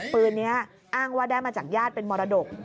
ปืนนี้อ้างว่าได้มาจากญาติเป็นมรดก